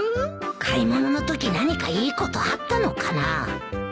買い物のとき何かいいことあったのかな？